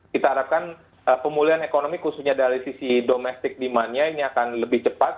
kita harapkan pemulihan ekonomi khususnya dari sisi domestic demandnya ini akan lebih cepat